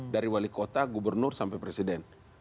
dari wali kota gubernur sampai presiden